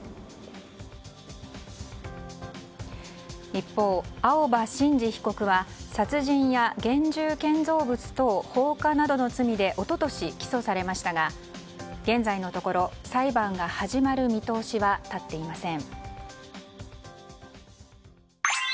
一方、青葉真司被告は殺人や現住建造物等放火などの罪で一昨年、起訴されましたが現在のところ裁判が始まる見通しは立っていません。